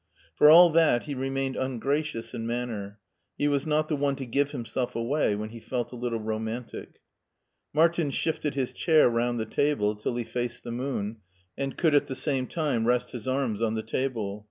For all that he remained un gracious in manner ; he was not the one to give himself away when he felt a little romantic. Martin shifted his chair rotmd the table till he faced the moon and could at the same time rest his arms on the table.